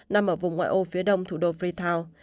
nằm ở vùng ngoại ô phía đông thủ đô pritao